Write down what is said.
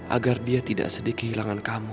agar dia tidak sedikit kehilangan kamu